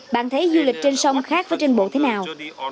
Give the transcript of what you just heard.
bạn thấy du lịch trên sông khác với trên bộ thế nào